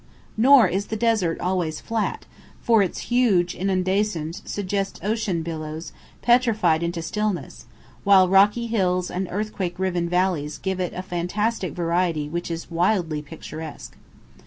Nor is the desert always flat, for its huge undulations suggest ocean billows petrified into stillness, while rocky hills and earthquake riven valleys give it a fantastic variety which is wildly picturesque.